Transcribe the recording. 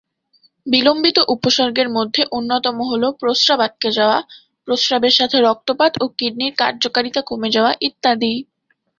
বিলম্বিত উপসর্গের মধ্যে অন্যতম হলো প্রস্রাব আটকে যাওয়া, প্রস্রাবের সাথে রক্তপাত ও কিডনির কার্যকারিতা কমে যাওয়া ইত্যাদি।